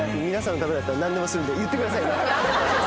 皆さんのためだったら何でもするんで言ってくださいね。